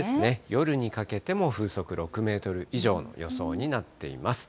夜にかけても風速６メートル以上の予想になっています。